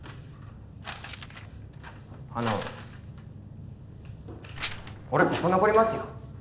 あの俺ここ残りますよ。